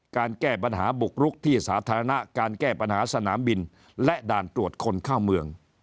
แก้ปัญหาบุกรุกที่สาธารณะการแก้ปัญหาสนามบินและด่านตรวจคนเข้าเมือง